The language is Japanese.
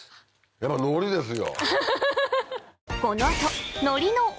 やっぱのりですよ。